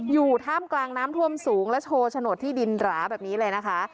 อยู่ท่ามกลางน้ำท่วมสูงและโชว์โฉนดที่ดินหราแบบนี้เลยนะคะ